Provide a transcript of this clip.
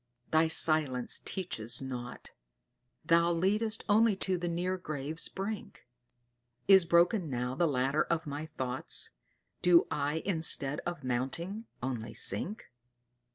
thy silence teaches nought, Thou leadest only to the near grave's brink; Is broken now the ladder of my thoughts? Do I instead of mounting only sink?